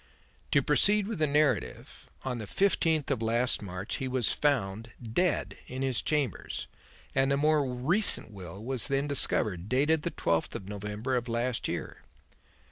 To proceed with the narrative: On the fifteenth of last March he was found dead in his chambers, and a more recent will was then discovered, dated the twelfth of November of last year.